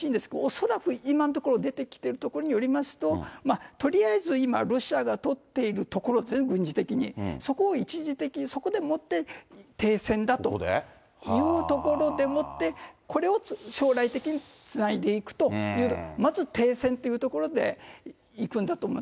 恐らく今のところ、出てきてるところによりますと、とりあえず今、ロシアが取っている所を全部一時的に、そこを一時的にそこでもって、停戦だというところでもって、これを将来的につないでいくという、まず停戦というところでいくんだと思う。